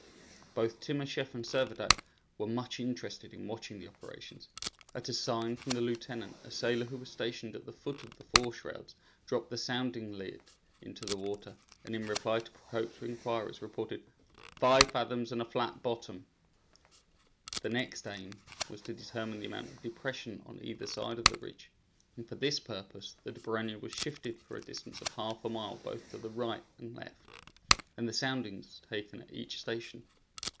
Both Timascheff and Servadac were much interested in watching the operations. At a sign from the lieutenant, a sailor who was stationed at the foot of the fore shrouds dropped the sounding lead into the water, and in reply to Procope's inquiries, reported "Five fathoms and a flat bottom." The next aim was to determine the amount of depression on either side of the ridge, and for this purpose the Dobryna was shifted for a distance of half a mile both to the right and left, and the soundings taken at each station.